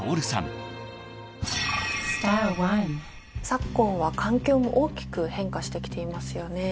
昨今は環境も大きく変化してきていますよね。